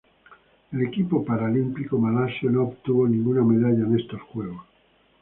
El equipo paralímpico malasio no obtuvo ninguna medalla en estos Juegos.